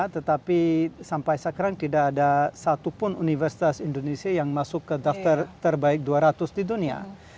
tetapi sampai sekarang tidak ada satupun universitas indonesia yang masuk ke daftar terbaik dua ratus di dunia